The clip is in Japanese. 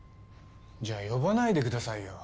じゃあ呼ばないでくださいよ。